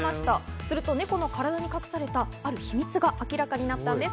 するとネコの体に隠されたある秘密が明らかになったんです。